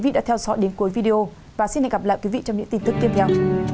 và xin hẹn gặp lại quý vị trong những tin tức tiếp theo